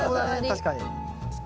確かに。